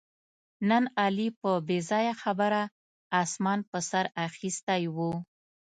نن علي په بې ځایه خبره اسمان په سر اخیستی و